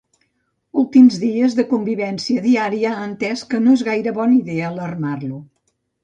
Últims dies de convivència diària ha entès que no és gaire bona idea alarmar-lo.